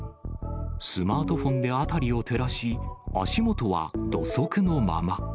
スマートフォンで辺りを照らし、足元は土足のまま。